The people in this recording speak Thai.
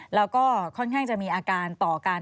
แล้วก็ค่อนข้างจะมีอาการต่อกัน